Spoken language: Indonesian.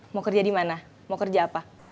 mau kerja di mana mau kerja apa